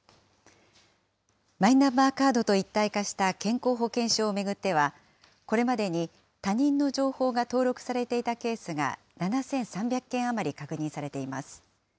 マイナンバーカードと一体化した健康保険証を巡っては、これまでに他人の情報が登録されていたケースが７３００件余り確認されています。